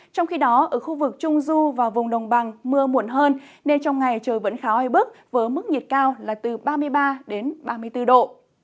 trong khi đó ở khu vực trung du và vùng đồng bằng mưa muộn hơn nên trong ngày trời vẫn khá oi bức với mức nhiệt cao là từ ba mươi ba đến ba mươi bốn độ